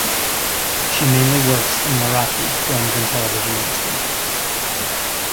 She mainly works in Marathi films and television industry.